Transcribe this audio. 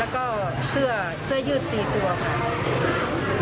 แล้วก็เสื้อยืดตีตัวค่ะ